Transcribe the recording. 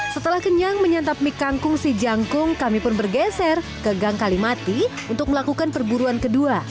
setelah kenyang menyantap mie kangkung si jangkung kami pun bergeser ke gang kalimati untuk melakukan perburuan kedua